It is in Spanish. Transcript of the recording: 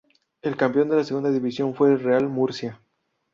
El campeón de Segunda División fue el Real Murcia.